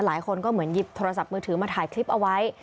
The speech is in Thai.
หลายคนก็เหมือนหยิบโทรศัพท์มือถือมาถ่ายคลิปเอาไว้